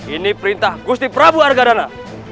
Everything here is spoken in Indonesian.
ini perintah gusti prabu argadana